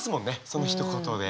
そのひと言で。